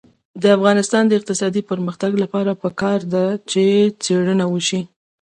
د افغانستان د اقتصادي پرمختګ لپاره پکار ده چې څېړنه وشي.